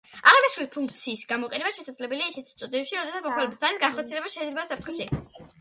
აღნიშნული ფუნქციის გამოყენება შესაძლებელია ისეთ სიტუაციებში, როდესაც მომხმარებელს ზარის განხორციელებით შეიძლება საფრთხე შეექმნას.